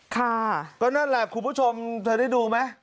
ค่ะก็นั่นแหละคุณผู้ชมเธอได้ดูไหม